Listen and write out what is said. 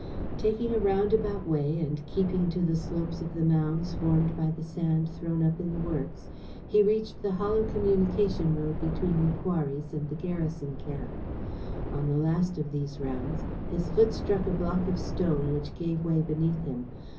Taking a roundabout way and keeping to the slopes of the mounds formed by the sand thrown up in the works, he reached the hollow communication road between the quarries and the garrison camp. On the last of these rounds, his foot struck a block of stone which gave way beneath him.